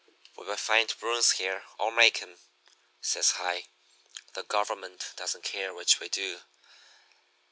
"'We will find ruins here or make 'em,' says High. 'The Government doesn't care which we do.